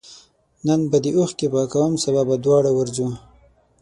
نن به دي اوښکي پاکوم سبا به دواړه ورځو